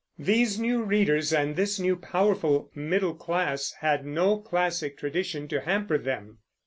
These new readers and this new, powerful middle class had no classic tradition to hamper them.